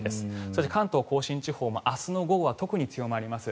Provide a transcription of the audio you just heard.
そして関東・甲信地方も明日の午後は特に強まります。